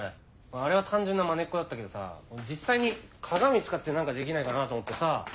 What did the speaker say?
あれは単純なまねっこだったけどさ実際に鏡使って何かできないかなと思ってさ。